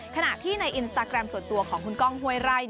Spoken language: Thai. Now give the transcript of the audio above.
ขณะที่ในอินสตาแกรมส่วนตัวของคุณก้องห้วยไร่